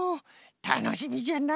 たのしみじゃな。